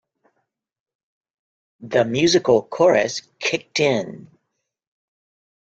The musical chorus kicked in.